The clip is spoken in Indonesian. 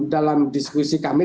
dalam diskusi kami